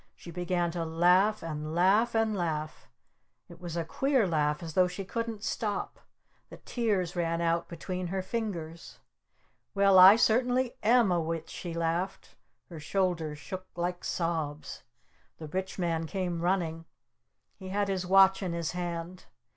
She began to laugh! And laugh! And laugh! It was a queer laugh as though she couldn't stop! The tears ran out between her fingers! "Well I certainly am a Witch!" she laughed. Her shoulders shook like sobs. The Rich Man came running! He had his watch in his hand!